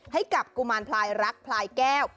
ให้กับกุมารพลายรักพลายแก้ว